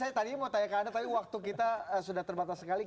saya tadi mau tanya ke anda tapi waktu kita sudah terbatas sekali